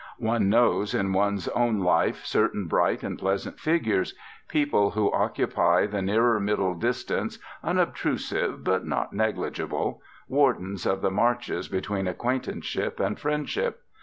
One knows in one's own life certain bright and pleasant figures; people who occupy the nearer middle distance, unobtrusive but not negligible; wardens of the marches between acquaintanceship and friendship.